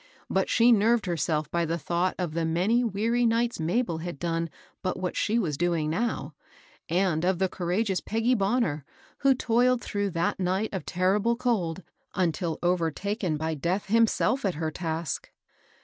But she nerved herself by the thought of the many weary nights Mabel had done but what she was doing now, and of the courageous Peggy Bonner, who toiled through that night of terrible cold until overtaken by death himself at her task.